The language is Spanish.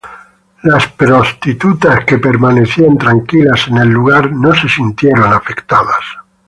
Las prostitutas que permanecían tranquilas en el lugar no se sintieron afectadas.